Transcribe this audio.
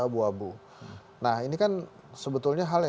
sebetulnya hal yang tidak boleh dikatakan